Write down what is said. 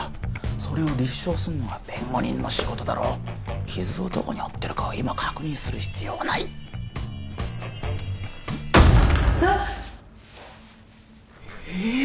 それを立証するのが弁護人の仕事だろ傷をどこに負ってるかを今確認する必要はないッわっ！？